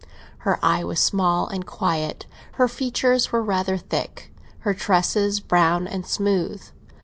Her eye was small and quiet, her features were rather thick, her tresses brown and smooth.